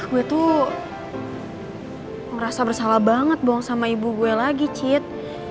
gue tuh merasa bersalah banget dong sama ibu gue lagi cit